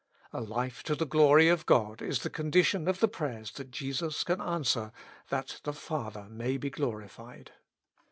A life to the glory of God is the condition of the prayers that Jesus can answer, " that the Father may be glorified."